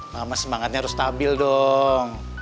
mama semangatnya harus stabil dong